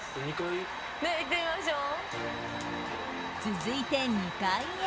続いて２階へ。